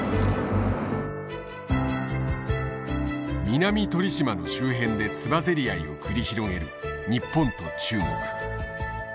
南鳥島の周辺でつばぜり合いを繰り広げる日本と中国。